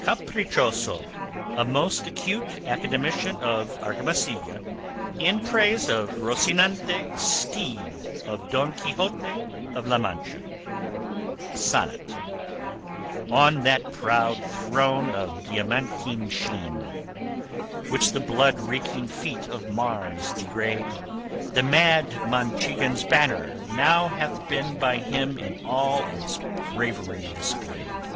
CAPRICHOSO, A MOST ACUTE ACADEMICIAN OF ARGAMASILLA, IN PRAISE OF ROCINANTE, STEED OF DON QUIXOTE OF LA MANCHA SONNET On that proud throne of diamantine sheen, Which the blood reeking feet of Mars degrade, The mad Manchegan's banner now hath been By him in all its bravery displayed.